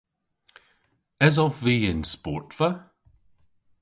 Esov vy y'n sportva?